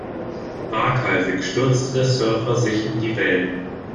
Waghalsig stürzte der Surfer sich in die Wellen.